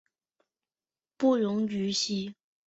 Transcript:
不溶于醇。